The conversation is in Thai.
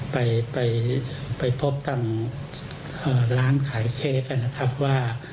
ไปไปพบทางร้านขายเค้กนะครับว่า